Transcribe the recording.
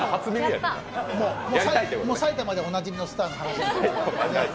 埼玉ではおなじみのスターです。